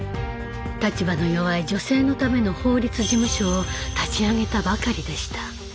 立場の弱い女性のための法律事務所を立ち上げたばかりでした。